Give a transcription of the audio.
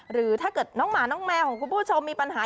หรือถ้าเกิดน้องหมาน้องแมวของคุณผู้ชมมีปัญหา